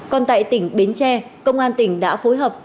còn tại tỉnh bến tre công an tỉnh đã phối hợp